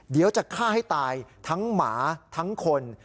เดี๋ยวจะฆ่าให้ตายทั้งหมาทั้งคน